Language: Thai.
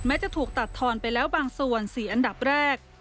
จะถูกตัดทอนไปแล้วบางส่วน๔อันดับแรก